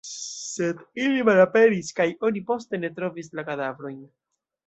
Sed ili malaperis kaj oni poste ne trovis la kadavrojn.